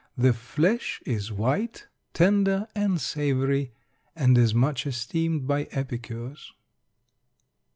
The flesh is white, tender, and savory, and is much esteemed by epicures.